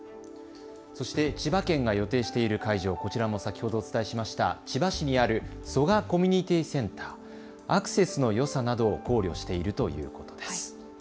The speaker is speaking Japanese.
そして千葉県が予定している会場、こちらも先ほどお伝えしました千葉市にある蘇我コミュニティセンター、アクセスのよさなどを考慮しているということです。